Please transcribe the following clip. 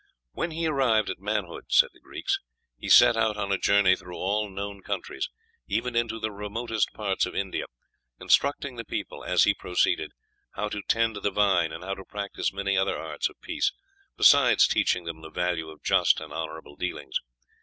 "When he arrived at manhood," said the Greeks, "he set out on a journey through all known countries, even into the remotest parts of India, instructing the people, as he proceeded, how to tend the vine, and how to practise many other arts of peace, besides teaching them the value of just and honorable dealings.